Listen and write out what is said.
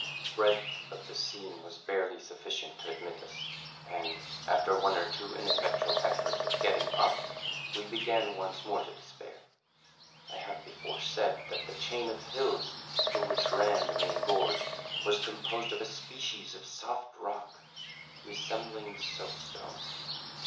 The breadth of the seam was barely sufficient to admit us, and, after one or two ineffectual efforts at getting up, we began once more to despair. I have before said that the chain of hills through which ran the main gorge was composed of a species of soft rock resembling soapstone.